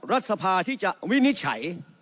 รัฐสภาที่จะวินิจฉัย